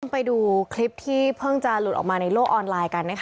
คุณผู้ชมไปดูคลิปที่เพิ่งจะหลุดออกมาในโลกออนไลน์กัน